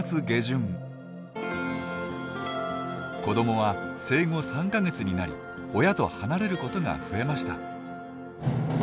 子どもは生後３か月になり親と離れることが増えました。